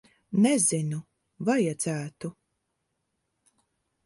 Nezinu. Vajadzētu.